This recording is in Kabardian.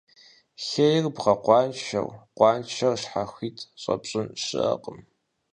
Хейр бгъэкъуаншэу, къуаншэр щхьэхуит щӀэпщӀын щыӀэкъым.